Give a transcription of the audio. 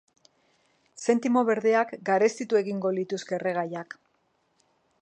Zentimo berdeak garestitu egingo lituzke erregaiak.